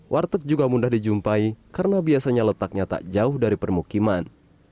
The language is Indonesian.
warteg juga mudah dijumpai karena biasanya letaknya tak jauh dari permukiman